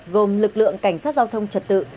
gồm lực lượng cảnh sát giao thông trật tự